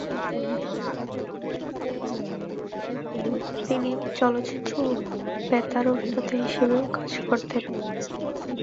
তিনি চলচ্চিত্র ও বেতার অভিনেতা হিসেবেও কাজ করেছেন।